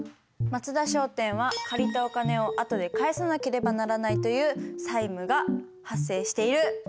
松田商店は借りたお金をあとで返さなければならないという債務が発生している。